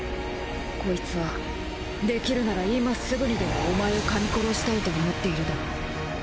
コイツはできるなら今すぐにでもお前を噛み殺したいと思っているだろう。